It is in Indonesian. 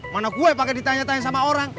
mana gue pake ditanya tanya sama orang